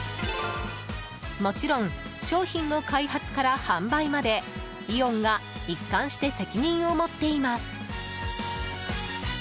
もちろん商品の開発から販売までイオンが一貫して責任を持っています。